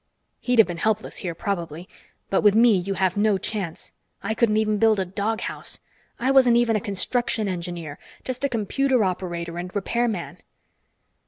He'd have been helpless here, probably, but with me you have no chance. I couldn't even build a doghouse. I wasn't even a construction engineer. Just a computer operator and repairman."